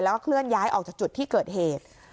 แล้วก็เคลื่อนย้ายออกจากจุดที่เกิดเหตุ